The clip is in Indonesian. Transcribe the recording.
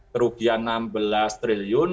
kerugian enam belas triliun